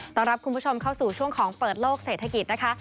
รับคุณผู้ชมเข้าสู่ช่วงของเปิดโลกเศรษฐกิจนะคะ